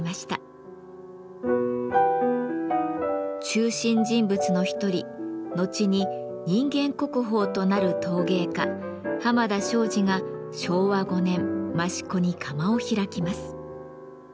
中心人物の一人後に人間国宝となる陶芸家・濱田庄司が昭和５年益子に窯を開きます。